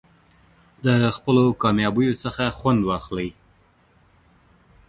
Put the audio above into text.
د خپلو کامیابیو څخه خوند واخلئ.